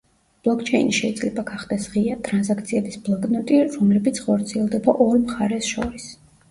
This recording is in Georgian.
ბლოკჩეინი შეიძლება გახდეს „ღია, ტრანზაქციების ბლოკნოტი, რომლებიც ხორციელდება ორ მხარეს შორის“.